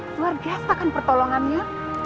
luar biasa kan pertolongannya